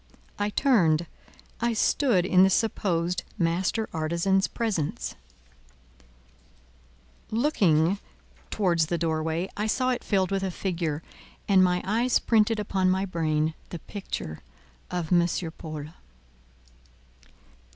I turned, I stood in the supposed master artisan's presence: looking towards the door way, I saw it filled with a figure, and my eyes printed upon my brain the picture of M. Paul.